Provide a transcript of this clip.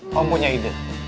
kamu punya ide